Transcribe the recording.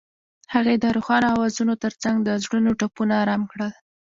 هغې د روښانه اوازونو ترڅنګ د زړونو ټپونه آرام کړل.